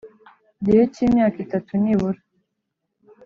gihe cy imyaka itatu nibura